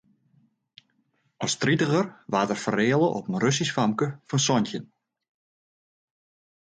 As tritiger waard er fereale op in Russysk famke fan santjin.